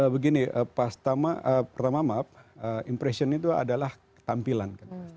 begini pertama maaf impression itu adalah tampilan